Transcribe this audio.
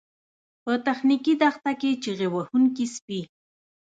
په تخنیکي دښته کې چیغې وهونکي سپي